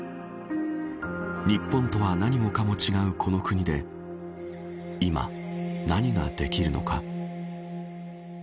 日本とは何もかも違うこの国で今、何ができるのか。